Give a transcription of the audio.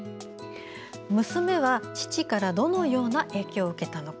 娘は父からどのような影響を受けたのか。